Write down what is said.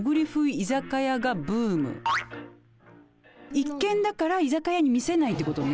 一見だから居酒屋に見せないって事ね。